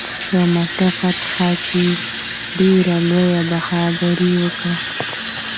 په مکې فتح کې ډېره لویه بهادري وکړه.